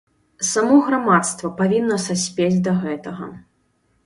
Само грамадства павінна саспець да гэтага.